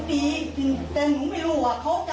ก็ไม่ใช่ว่าหนูไม่รักน่ะ